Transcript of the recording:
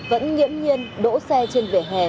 vẫn nghiễm nhiên đỗ xe trên vỉa hè